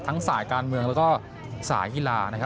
สายการเมืองแล้วก็สายกีฬานะครับ